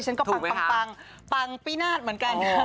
ฉันก็ปังปังปีนาศเหมือนกัน